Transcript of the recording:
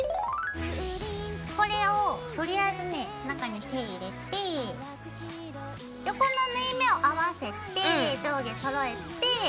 これをとりあえずね中に手入れて横の縫い目を合わせて上下そろえて。